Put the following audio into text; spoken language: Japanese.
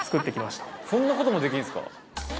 そんなこともできるんですか？